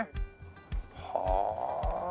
はあ。